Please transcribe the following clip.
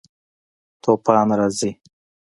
توپان راځي